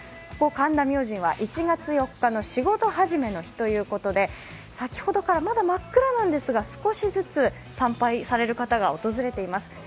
ここ神田明神は１月４日の仕事始めの日ということで、先ほどからまだ真っ暗なんですが少しずつ参拝される方が訪れています。